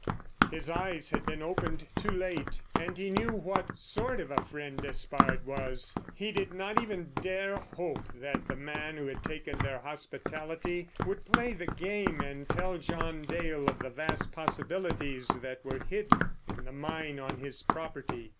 His eyes had been opened too late, and he knew what sort of a friend Despard was. He did not even dare hope that the man who had taken their hospitality would play the game and tell John Dale of the vast possibilities that were hidden in the mine on his property.